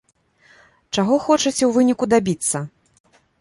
Чаго хочаце ў выніку дабіцца?